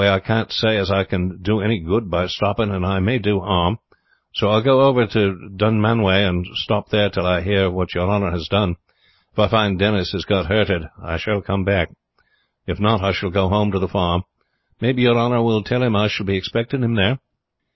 I can't see as I can do any good by stopping, and I may do harm; so I will go over to Dunmanway and stop there till I hear what your honor has done. If I find Denis has got hurted I shall come back, if not I shall go home to the farm. Maybe your honor will tell him I shall be expecting him there."